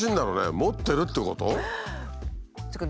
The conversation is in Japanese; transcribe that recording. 持ってるってこと？